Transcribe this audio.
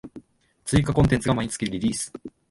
追加コンテンツが毎月リリース